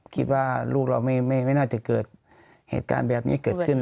คิดว่าลูกเราไม่น่าจะเกิดเหตุการณ์แบบนี้เกิดขึ้น